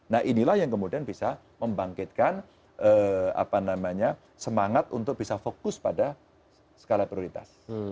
nah inilah yang kemudian bisa membangkitkan semangat untuk bisa fokus pada skala prioritas